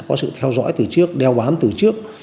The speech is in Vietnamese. có sự theo dõi từ trước đeo bám từ trước